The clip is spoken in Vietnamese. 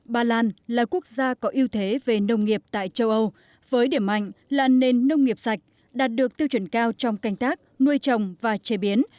ba lan là quốc gia có ưu thế về nông nghiệp tại châu âu với điểm mạnh là nền nông nghiệp sạch đạt được tiêu chuẩn cao trong canh tác nuôi trồng và chế biến